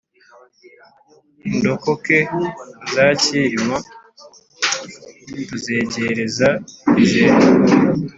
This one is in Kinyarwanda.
indokoke za cyilima tuzegereza i jenda.